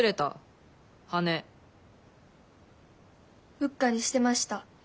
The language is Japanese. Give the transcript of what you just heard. うっかりしてました。